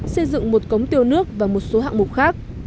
xây dựng một cống tiêu nước và một số hạng mục khác